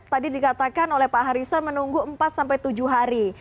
tadi dikatakan oleh pak harissa menunggu empat tujuh hari